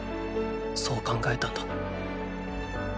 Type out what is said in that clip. そう考えたんだ。